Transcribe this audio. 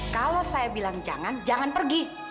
kalau saya bilang jangan jangan pergi